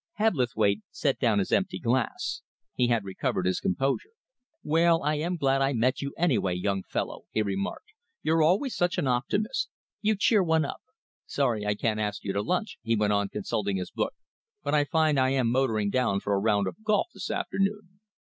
Hebblethwaite set down his empty glass. He had recovered his composure. "Well, I am glad I met you, any way, young fellow," he remarked. "You're always such an optimist. You cheer one up. Sorry I can't ask you to lunch," he went on, consulting his book, "but I find I am motoring down for a round of golf this afternoon."